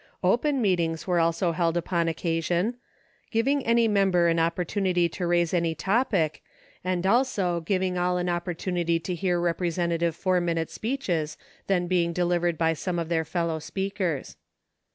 Open meetings were also held upon occasion, giving any member an opportunity to raise any topic, and also giving all an opportunity to hear repre sentative four minute speeches then being delivered by some of their fellow speakers.